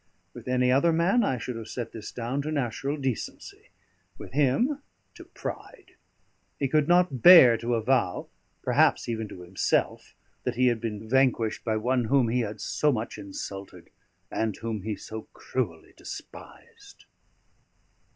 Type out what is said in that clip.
With any other man I should have set this down to natural decency; with him, to pride. He could not bear to avow, perhaps even to himself, that he had been vanquished by one whom he had so much insulted and whom he so cruelly despised.